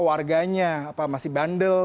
warganya masih bandel